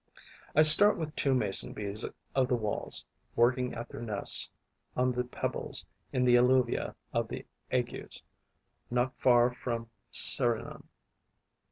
I start with two Mason bees of the Walls working at their nests on the pebbles in the alluvia of the Aygues, not far from Serignan.